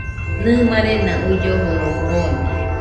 Nɨ, marena uilloforo oo jonia